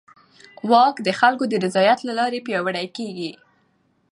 واک د خلکو د رضایت له لارې پیاوړی کېږي.